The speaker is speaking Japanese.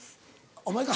お前か。